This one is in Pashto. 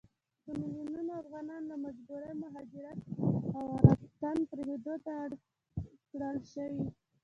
په ميلونونو افغانان له مجبوري مهاجرت او وطن پريښودو ته اړ کړل شوي